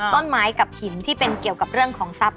ต้นไม้กับหินที่เป็นเกี่ยวกับเรื่องของทรัพย